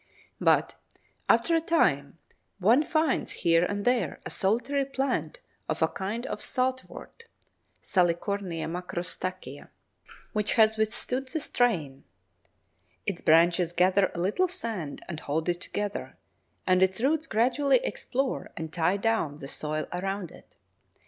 But, after a time, one finds here and there a solitary plant of a kind of Saltwort (Salicornia macrostachya) which has withstood the strain: its branches gather a little sand and hold it together, and its roots gradually explore and tie down the soil around it.